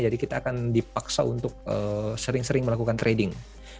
jadi kita akan dipaksa untuk sering sering melakukan trading